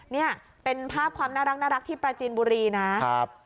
นี่เป็นภาพความน่ารักที่ปราจีนบุรีนะครับ